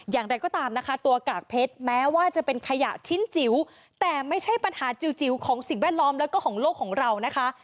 อย่างไรก็ตามนะคะตัวกากเพชรแม้ว่าจะเป็นขยะชิ้นจิ๋วแต่ไม่ใช่ปัญหาจิ๋วของสิ่งแวดล้อมแล้วก็ของโลกของเรานะคะ